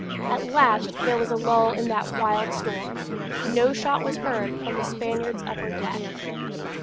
At last there was a lull in that wild storm. No shot was heard from the Spaniard's upper deck.